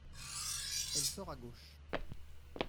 Elle sort à gauche.